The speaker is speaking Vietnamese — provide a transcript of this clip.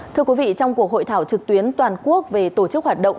thưa quý vị trong cuộc hội thảo trực tuyến toàn quốc về tổ chức hoạt động